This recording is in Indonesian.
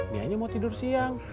nia aja mau tidur siang